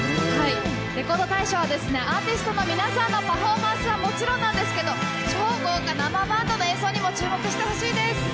レコード大賞はアーティストの皆さんのパフォーマンスはもちろんなんですけど超豪華生バンドの演奏にも注目してもらいたいです。